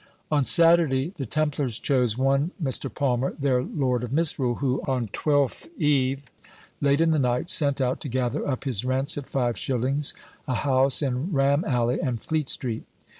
"On Saturday the Templars chose one Mr. Palmer their Lord of Misrule, who, on Twelfth eve, late in the night, sent out to gather up his rents at five shillings a house in Ram alley and Fleet street.